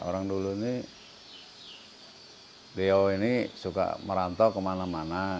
orang dulu ini dia ini suka merantau ke mana mana